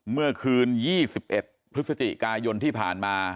เมื่อคืน๒๑พฤศจิกายนที่ผ่านมา